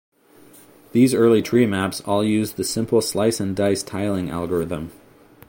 These early treemaps all used the simple "slice-and-dice" tiling algorithm.